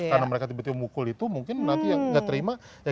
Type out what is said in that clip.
karena mereka tiba tiba mukul itu mungkin nanti yang tidak terima